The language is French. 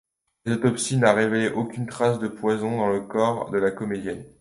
L'autopsie n'a révélé aucune trace de poison dans le corps de la comédienne.